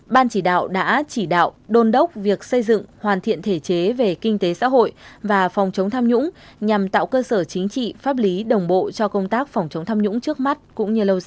ban chỉ đạo đã chỉ đạo đôn đốc việc xây dựng hoàn thiện thể chế về kinh tế xã hội và phòng chống tham nhũng nhằm tạo cơ sở chính trị pháp lý đồng bộ cho công tác phòng chống tham nhũng trước mắt cũng như lâu dài